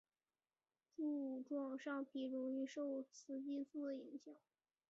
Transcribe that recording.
柱状上皮容易受雌激素的影响。